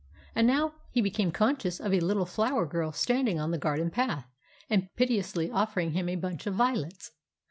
And now he became conscious of a little flower girl standing on the garden path, and piteously offering him a bunch of violets.